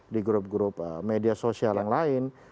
di grup grup media sosial yang lain